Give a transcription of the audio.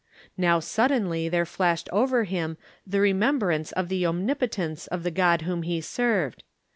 Now, suddenly, there flashed over him the remembrance of the omnipo tence of the God whom he served.